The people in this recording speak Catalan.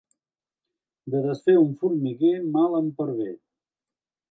De desfer un formiguer mal en pervé.